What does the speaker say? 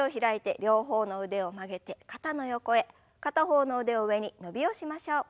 片方の腕を上に伸びをしましょう。